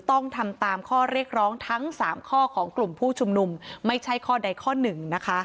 ต้องทำตามข้อเรียกร้องทั้งสามข้อของกลุ่มผู้ชุมนุมไม่ใช่ข้อใดข้อหนึ่งนะคะ